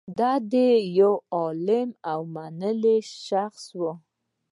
دی یو عالم او منلی شخص و